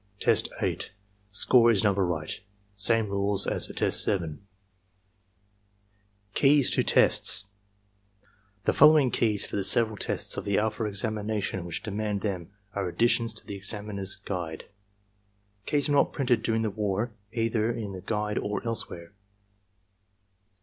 Tests (Score is number right.) Same rules as for Test 7. 70 ARMY MENTAL TESTS KEYS TO TESTS The following keys for the several tests of the alpha examina tion which demand them are additions to the Examiner's Guide. Keys were not printed during the war either in the "Guide" or elsewhere.